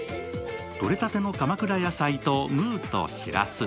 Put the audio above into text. とれたての鎌倉野菜とムーとしらす。